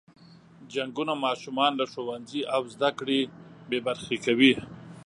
جنګونه ماشومان له ښوونځي او زده کړو بې برخې کوي.